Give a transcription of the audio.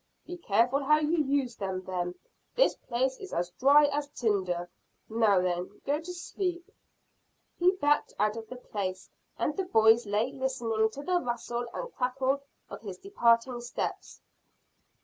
"Be careful how you use them, then. This place is as dry as tinder. Now then, go to sleep." He backed out of the place, and the boys lay listening to the rustle and crackle of his departing steps.